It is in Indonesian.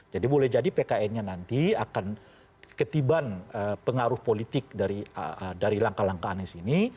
jadi boleh jadi pkn nya nanti akan ketiban pengaruh politik dari langkah langkaannya sini